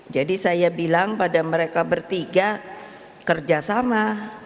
jadi saya bilang pada mereka bertiga kerjasama